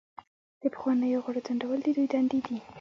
د پخوانیو غړو ځنډول د دوی دندې دي.